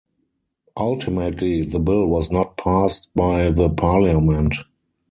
Ultimately the bill was not passed by the Parliament.